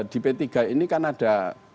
di p tiga ini kan ada